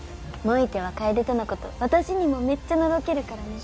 萌たゃは楓とのこと私にもめっちゃのろけるからね。